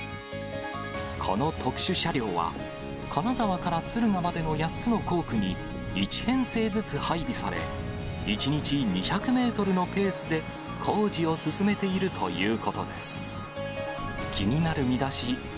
この特殊車両は、金沢から敦賀までの８つの工区に１編成ずつ配備され、１日２００メートルのペースで、工事を進めているということです。